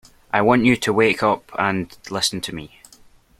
I want you to wake up and listen to me